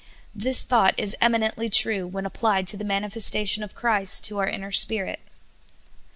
This thought is eminently true when applied to the manifestation of Christ to our inner spirit.